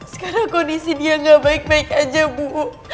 sekarang kondisi dia gak baik baik aja bu